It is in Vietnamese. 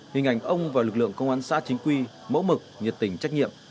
hình ảnh ông và lực lượng công an xã chính quy mẫu mực nhiệt tình trách nhiệm